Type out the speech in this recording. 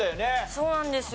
そうなんですよ。